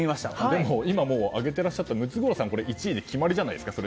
でももう挙げていらっしゃったムツゴロウさんが１位で決まりじゃないですか？